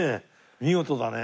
見事だね。